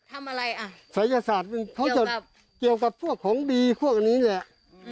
ทำอะไรอ่ะศัยศาสตร์หนึ่งเขาจะเกี่ยวกับพวกของดีพวกนี้แหละ